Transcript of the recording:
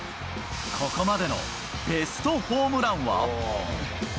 ここまでのベストホームランは。